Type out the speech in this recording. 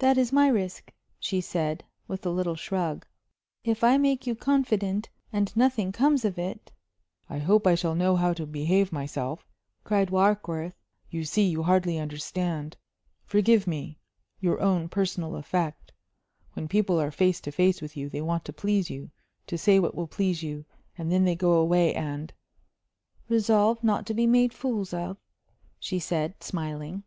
"That is my risk," she said, with a little shrug. "If I make you confident, and nothing comes of it " "I hope I shall know how to behave myself," cried Warkworth. "You see, you hardly understand forgive me! your own personal effect. When people are face to face with you, they want to please you, to say what will please you, and then they go away, and " "Resolve not to be made fools of?" she said, smiling.